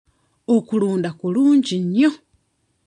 Okulunda kulungi nnyo.